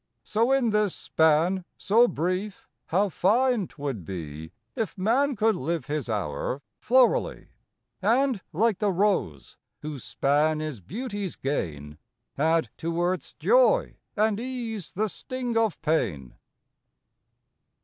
So in this span so brief how fine twould be If man could live his hour florally, And, like the Rose, whose span is Beauty s gain, Add to earth s joy and ease the sting of pain!